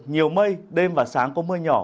nhiều mây đêm và sáng có mưa nhỏ